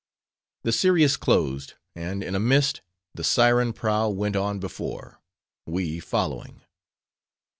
The Cereus closed; and in a mist the siren prow went on before; we, following.